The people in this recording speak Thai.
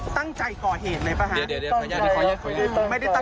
ไม่ความรับเพลิงพอสกัดประโยชน์